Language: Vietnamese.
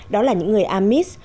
đó là những người amish